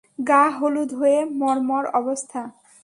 গা হলুদ হয়ে মরমর অবস্থা।